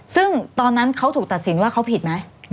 ซึ่งตอนนั้นเขาถูกตัดสินว่าเขาผิดไหม